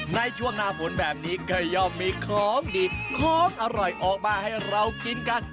ในช่วงหน้าฝนแบบนี้ก็ย่อมมีของดีของอร่อยออกมาให้เรากินกัน